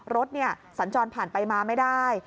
สัญจรผ่านไปมาไม่ได้